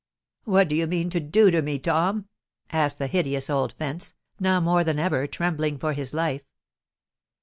"What do you mean to do to me, Tom?" asked the hideous old fence, now more than ever trembling for his life.